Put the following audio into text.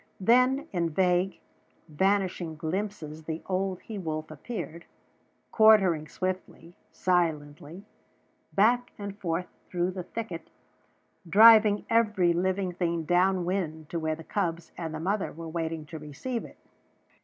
Then in vague, vanishing glimpses the old he wolf appeared, quartering swiftly, silently, back and forth through the thicket, driving every living thing down wind to where the cubs and the mother were waiting to receive it.